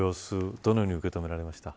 どのように受け止められましたか。